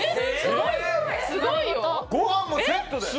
すごいよ。